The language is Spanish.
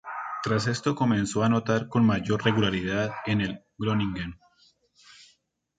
Tras esto comenzó a anotar con mayor regularidad en el Groningen.